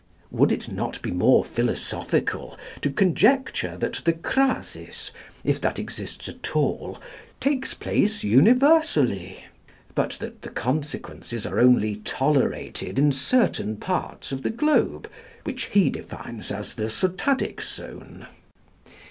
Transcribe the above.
Would it not be more philosophical to conjecture that the crasis, if that exists at all, takes place universally; but that the consequences are only tolerated in certain parts of the globe, which he defines as the Sotadic Zone?